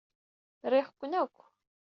Riɣ-ken akk.